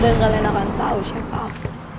dan kalian akan tau siapa aku